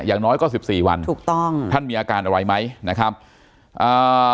อย่างน้อยก็สิบสี่วันถูกต้องท่านมีอาการอะไรไหมนะครับอ่า